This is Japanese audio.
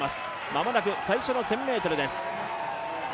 間もなく最初の１０００ｍです。